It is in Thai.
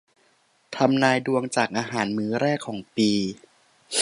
ทำนายดวงจากอาหารมื้อแรกของปี